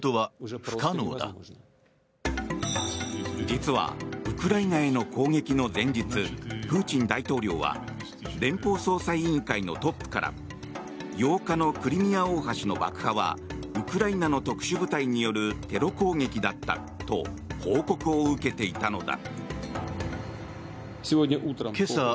実はウクライナへの攻撃の前日プーチン大統領は連邦捜査委員会のトップから８日のクリミア大橋の爆破はウクライナの特殊部隊によるテロ攻撃だったと報告を受けていたのだ。